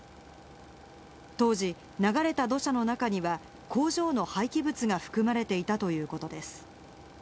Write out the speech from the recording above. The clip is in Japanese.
当時、流れた土砂の中には、工場の廃棄物が含まれていたということです。